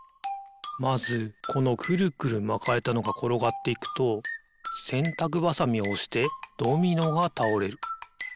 まずこのくるくるまかれたのがころがっていくとせんたくばさみをおしてドミノがたおれる。